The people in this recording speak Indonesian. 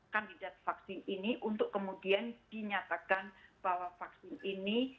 kandidat vaksin ini untuk kemudian dinyatakan bahwa vaksin ini